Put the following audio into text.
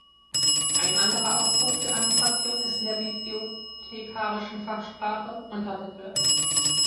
Ein anderer Ausdruck für Annotation ist in der bibliothekarischen Fachsprache „Untertitel“.